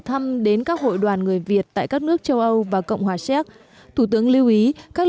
thăm đến các hội đoàn người việt tại các nước châu âu và cộng hòa séc thủ tướng lưu ý các